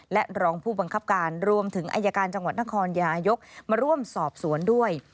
และรองผู้บังคับการรวมถึงอายการจังหวัดนครนายกมาร่วมสอบสวนด้วย